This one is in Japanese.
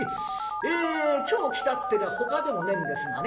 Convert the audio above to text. ええ今日来たってのはほかでもねえんですがね